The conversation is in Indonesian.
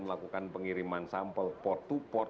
melakukan pengiriman sampel port to port